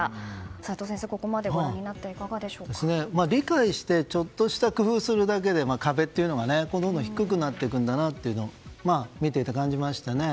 齋藤先生、ここまでご覧になって理解してちょっとした工夫をするだけで壁っていうのがどんどん低くなっていくと見ていて感じましたね。